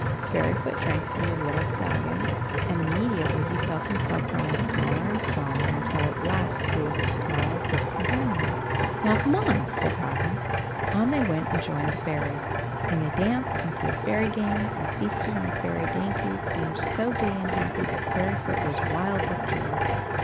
Fairyfoot drank from the little flagon, and immediately he felt himself growing smaller and smaller until at last he was as small as his companion. "Now, come on," said Robin. On they went and joined the fairies, and they danced and played fairy games and feasted on fairy dainties, and were so gay and happy that Fairyfoot was wild with joy.